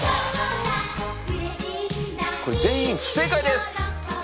これ全員不正解です！